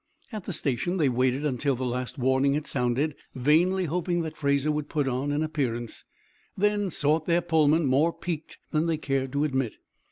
At the station they waited until the last warning had sounded, vainly hoping that Fraser would put in an appearance, then sought their Pullman more piqued than they cared to admit.